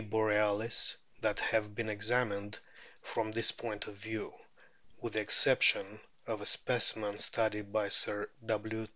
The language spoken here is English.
borealis that have been examined from this point of view, with the exception of a specimen studied by Sir W.